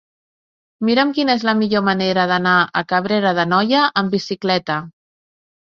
Mira'm quina és la millor manera d'anar a Cabrera d'Anoia amb bicicleta.